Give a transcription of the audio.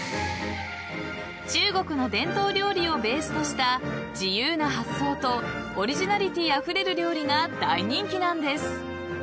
［中国の伝統料理をベースとした自由な発想とオリジナリティーあふれる料理が大人気なんです］